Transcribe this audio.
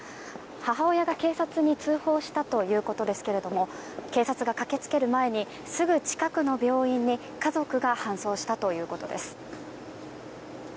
母親が警察に通報したということですけど警察が駆けつける前にすぐ近くの病院に家族が搬送したということです。